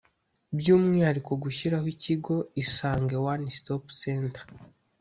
by’umwihariko gushyiraho ikigo “Isange One Stop Centre”